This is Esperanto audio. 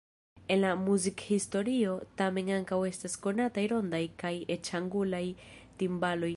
En la muzikhistorio tamen ankaŭ estas konataj rondaj kaj eĉ angulaj timbaloj.